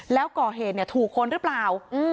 แล้วก่อเหตุถูกคนหรือเปล่า